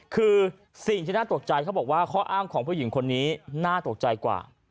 คือสิ่งที่น่าตกใจเขาบอกว่าข้ออ้างของผู้หญิงคนนี้น่าตกใจกว่า